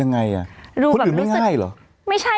คนอื่นไม่ง่ายเหรอ